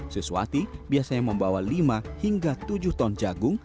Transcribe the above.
siswati biasanya membawa lima hingga tujuh ton jagung